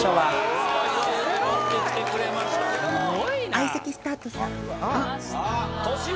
相席スタートさん。